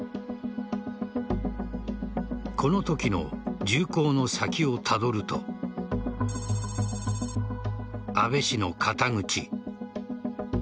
このときの銃口の先をたどると安倍氏の肩口。